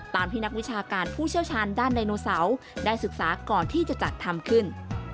ที่นักวิชาการผู้เชี่ยวชาญด้านไดโนเสาร์ได้ศึกษาก่อนที่จะจัดทำขึ้น